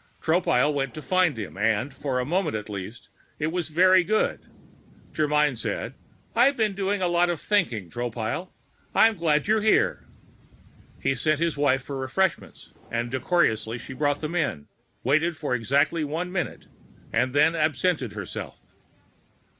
Tropile went to find him and, for a moment at least, it was very good. Germyn said: "I've been doing a lot of thinking, Tropile. I'm glad you're here." He sent his wife for refreshments, and decorously she brought them in, waited for exactly one minute, and then absented herself.